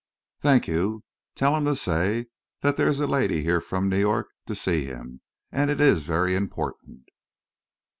"Thank you. Then tell him to say there is a lady here from New York to see him, and it is very important."